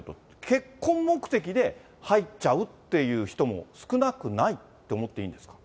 結婚目的で入っちゃうっていう人も少なくないと思っていいんですか。